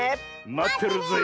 まってるぜえ。